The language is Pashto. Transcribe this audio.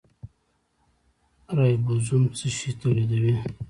رایبوزوم څه شی تولیدوي؟